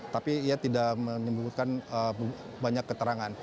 tapi ia tidak menyebutkan banyak keterangan